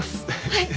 はい。